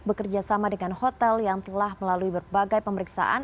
bekerjasama dengan hotel yang telah melalui berbagai pemeriksaan